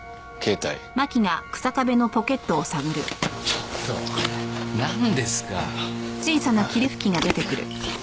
ちょっとなんですか？